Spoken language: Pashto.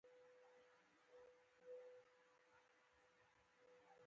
د هندي سبک د پايښت لاملونه